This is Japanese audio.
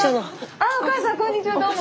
あお母さんこんにちはどうも。